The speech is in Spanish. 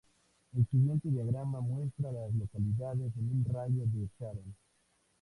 El siguiente diagrama muestra a las localidades en un radio de de Sharon.